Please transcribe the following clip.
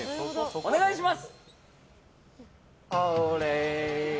お願いします！